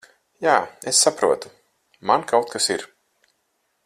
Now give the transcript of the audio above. Jā, es saprotu. Man kaut kas ir...